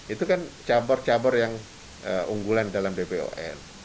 itu kan cabar cabar yang unggulan dalam dbon